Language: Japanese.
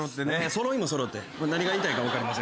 「揃いも揃って」？何が言いたいんか分かりません。